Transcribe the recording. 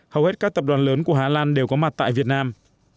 hầu hết các tập đoàn lớn của hà lan đều có mặt tại việt nam